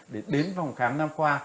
để đến vòng khám nam khoa